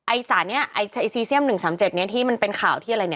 ไอซีเซียม๑๓๗ที่มันเป็นข่าวที่อะไร